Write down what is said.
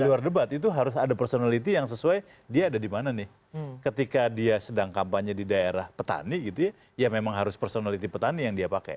di luar debat itu harus ada personality yang sesuai dia ada di mana nih ketika dia sedang kampanye di daerah petani gitu ya ya memang harus personality petani yang dia pakai